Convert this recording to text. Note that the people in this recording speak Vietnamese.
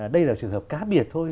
đây là trường hợp cá biệt thôi